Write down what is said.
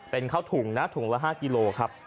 เป็นข้าวถุงนะถุงละ๕กิโลครับ